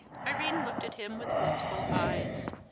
Irene looked at him with wistful eyes.